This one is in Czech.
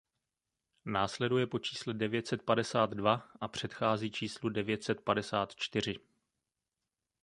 Následuje po čísle devět set padesát dva a předchází číslu devět set padesát čtyři.